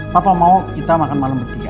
papa mau kita makan malam bertiga